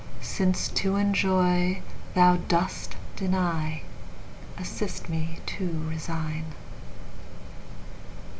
—Since to enjoy Thou dost deny, Assist me to resign.